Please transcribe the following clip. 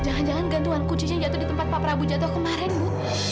bu jangan jangan gantungan kuncinya jatuh di tempat pak prabu jatuh kemarin bu